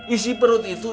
isi perut itu